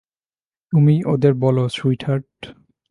তুমিই ওদের বোলো, সুইটহার্ট।